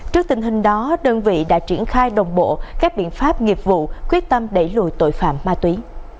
trước tình hình đó đơn vị đã triển khai đồng bộ các biện pháp nghiệp vụ quyết tâm đẩy lùi tội phạm ma túy